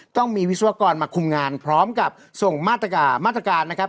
ต้องมีวิศวกรมาคุมงานพร้อมกับส่งมาตรการนะครับ